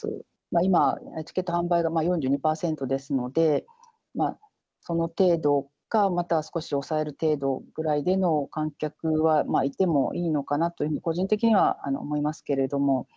今、チケット販売が４２％ですので、その程度か、または少し抑える程度での観客はいてもいいのかなというふうに、個人的には思いますけれども。